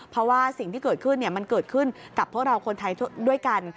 เพราะว่าสิ่งที่เกิดขึ้นมันเกิดขึ้นกับพวกเราคนไทยด้วยกัน